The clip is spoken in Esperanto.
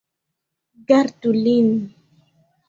Gardu lin!